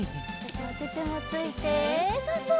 おててもついてそうそう。